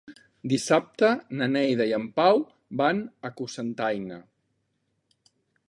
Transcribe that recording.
Dissabte na Neida i en Pau van a Cocentaina.